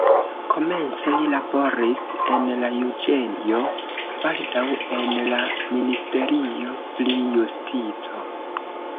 Komence li laboris en la juĝejo, baldaŭ en la ministerio pri justico.